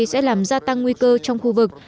sẽ làm gia tăng nguy cơ trong khu vực